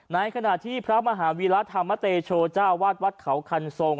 ในขณะที่พระมหาวีระธรรมเตโชเจ้าวาดวัดเขาคันทรง